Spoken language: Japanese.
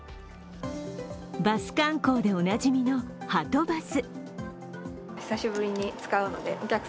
バス観光でおなじみのはとバス。